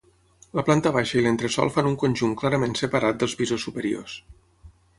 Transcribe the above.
La planta baixa i l'entresòl fan un conjunt clarament separat dels pisos superiors.